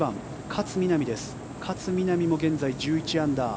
勝みなみも現在１１アンダー。